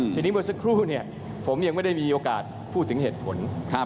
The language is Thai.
ทีนี้เมื่อสักครู่ผมยังไม่ได้มีโอกาสพูดถึงเหตุผล